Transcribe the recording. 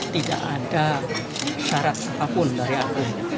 tidak ada syarat apapun dari agungnya